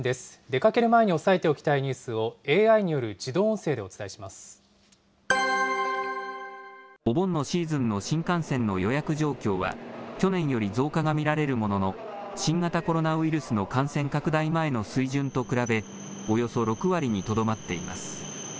出かける前に押さえておきたいニュースをＡＩによる自動音声でおお盆のシーズンの新幹線の予約状況は、去年より増加が見られるものの、新型コロナウイルスの感染拡大前の水準と比べ、およそ６割にとどまっています。